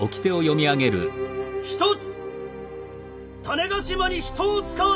一つ。